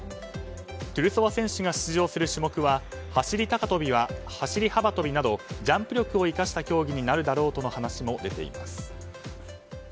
トゥルソワ選手が出場する種目は走り高跳びや走り幅跳びなどジャンプ力を生かした競技になるだろうとの話も出ています。